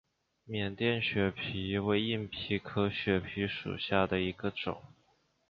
缅甸血蜱为硬蜱科血蜱属下的一个种。